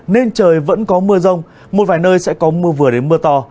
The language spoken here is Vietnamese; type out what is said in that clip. nên trời vẫn có mưa rông một vài nơi sẽ có mưa vừa đến mưa to